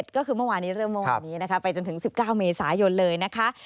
๑๑ก็คือเมื่อวันนี้นะครับไปจนถึง๑๙เมษายนเลยนะคะค่ะ